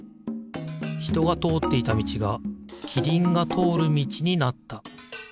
ひとがとおっていたみちがキリンがとおるみちになった。